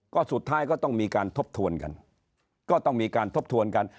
ก็สุดท้ายก็ต้องมีการทบทวนกันก็ต้องมีการทบทวนกัน